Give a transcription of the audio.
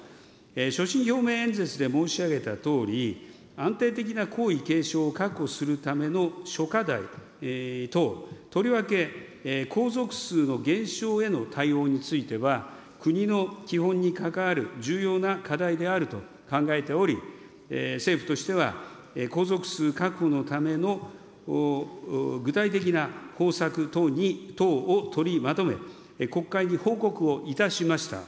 所信表明演説で申し上げたとおり、安定的な皇位継承を確保するための諸課題等、とりわけ皇族数の減少への対応については、国の基本に関わる重要な課題であると考えており、政府としては、皇族数確保のための具体的な方策等を取りまとめ、国会に報告をいたしました。